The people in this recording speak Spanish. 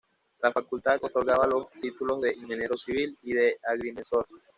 La Facultad otorgaba los títulos de Ingeniero Civil y de Agrimensor.